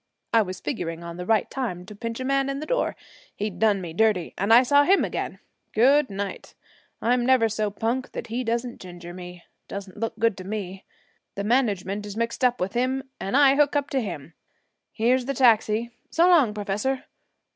I was figuring on the right time to pinch a man in the door, he'd done me dirty, and I saw him again. Good night! I'm never so punk that he doesn't ginger me doesn't look good to me. The management is mixed up with him and I hook up to him. Here's the taxi. So long, professor.